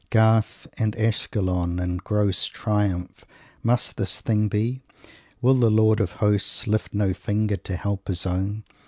Gath and Askalon in gross triumph must this thing be? Will the Lord of Hosts lift no finger to help his own?